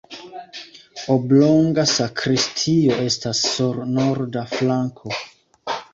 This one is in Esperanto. Oblonga sakristio estas sur norda flanko.